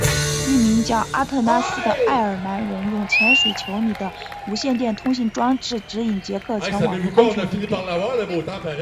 一名叫阿特拉斯的爱尔兰人用潜水球里的无线电通信装置指引杰克前往安全地点。